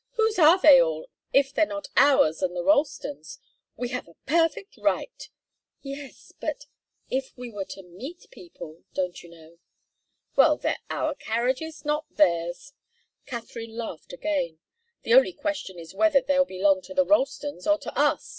Whose are they all, if they're not ours and the Ralstons'? We have a perfect right " "Yes but if we were to meet people don't you know?" "Well they're our carriages, not theirs." Katharine laughed again. "The only question is whether they'll belong to the Ralstons or to us.